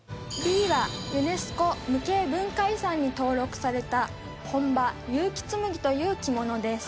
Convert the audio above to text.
Ｂはユネスコ無形文化遺産に登録された本場結城紬という着物です。